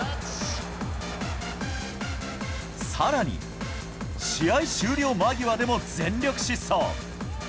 更に試合終了間際でも全力疾走。